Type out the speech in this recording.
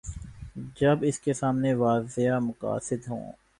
جب اس کے سامنے واضح مقاصد ہوں۔